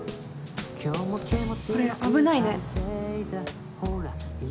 これ危ないね。